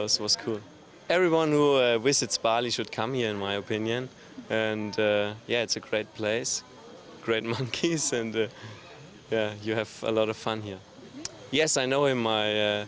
saya pikir seluruh taman wisata manki forest akan terutamanya terutamanya untuk dia